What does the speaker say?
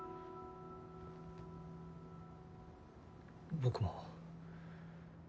僕も。